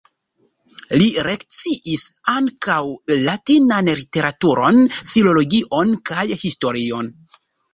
Li lekciis ankaŭ latinan literaturon, filologion kaj historion.